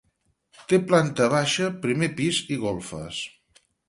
Té planta baixa, primer pis i golfes.